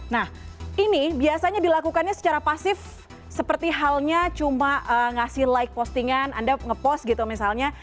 nah ini biasanya dilakukannya secara pasif seperti halnya cuma ngasih like postingan anda ngepost gitu misalnya